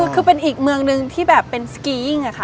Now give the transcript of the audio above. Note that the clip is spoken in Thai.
คือเป็นอีกเมืองหนึ่งที่แบบเป็นสกียิ่งค่ะ